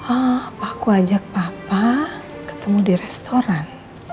oh aku ajak papa ketemu di restoran